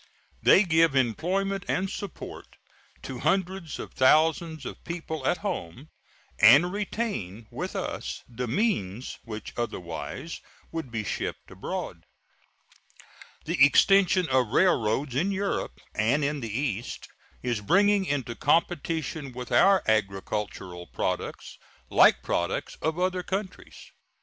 They give employment and support to hundreds of thousands of people at home, and retain with us the means which otherwise would be shipped abroad. The extension of railroads in Europe and the East is bringing into competition with our agricultural products like products of other countries.